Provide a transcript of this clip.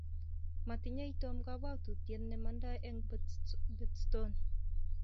Matinyei Tom kabwotutie ne mang'doi eng' Botston